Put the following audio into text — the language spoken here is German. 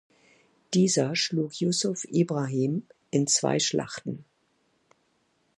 Dieser schlug Jussuf Ibrahim in zwei Schlachten.